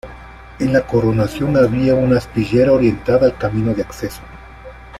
En la coronación había una aspillera orientada al camino de acceso.